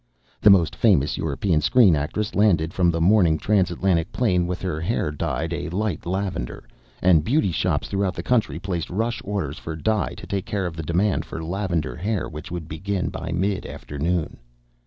The most famous European screen actress landed from the morning Trans Atlantic plane with her hair dyed a light lavender, and beauty shops throughout the country placed rush orders for dye to take care of the demand for lavender hair which would begin by mid afternoon.